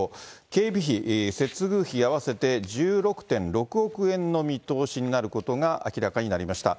警備費、接遇費合わせて１６．６億円の見通しになることが明らかになりました。